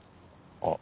あっ！